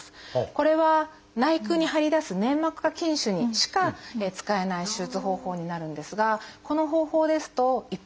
これは内腔に張り出す粘膜下筋腫にしか使えない手術方法になるんですがこの方法ですと１泊２日で。